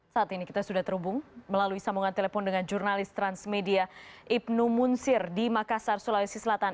saat ini kita sudah terhubung melalui sambungan telepon dengan jurnalis transmedia ibnu munsir di makassar sulawesi selatan